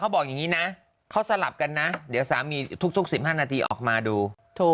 บอกอย่างนี้นะเขาสลับกันนะเดี๋ยวสามีทุก๑๕นาทีออกมาดู